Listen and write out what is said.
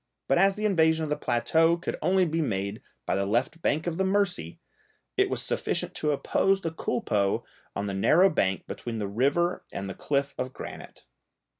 But as the invasion of the plateau could only be made by the left bank of the Mercy, it was sufficient to oppose the culpeux on the narrow bank between the river and the cliff of granite.